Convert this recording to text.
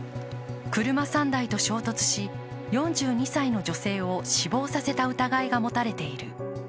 車３台と衝突し、４２歳の女性を死亡させた疑いが持たれている。